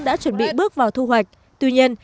đã chuẩn bị bước vào thu hoạch tuy nhiên